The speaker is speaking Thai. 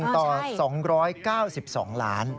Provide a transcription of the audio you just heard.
ต่อ๒๙๒ล้าน